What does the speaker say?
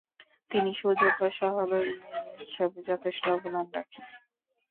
তিনি সুযোগ্য সহধর্মিণী হিসেবে যথেষ্ট অবদান রাখেন।